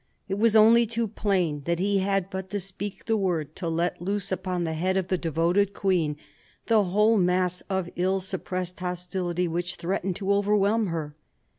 It was only too plain that he had but to speak the word to let loose upon the head of the devoted queen the whole mass of ill suppressed hostility which threatened to overwhelm her.